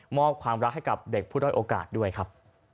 ความรักให้กับเด็กผู้ด้อยโอกาสด้วยครับ